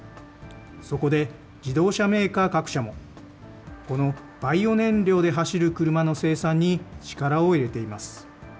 そこで自動車メーカー各社も、このバイオ燃料で走る車の生産に力を入れています。